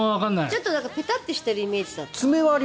ちょっとペタッとしてるイメージだったから。